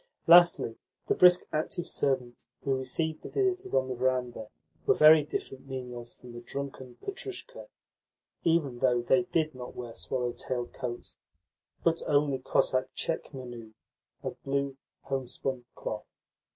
Lastly, the brisk, active servants who received the visitors on the verandah were very different menials from the drunken Petrushka, even though they did not wear swallow tailed coats, but only Cossack tchekmenu of blue homespun cloth.